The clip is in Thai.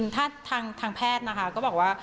ถ้าทางแพทย์นะคะ